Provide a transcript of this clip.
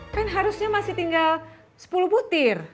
kan harusnya masih tinggal sepuluh butir